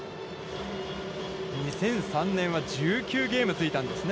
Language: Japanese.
２００３年は１９ゲームついたんですね。